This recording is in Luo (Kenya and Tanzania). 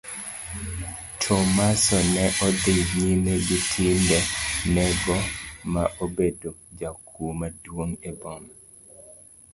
Tomaso ne odhi nyime gi timbe nego ma obedo jakuo maduong' e boma.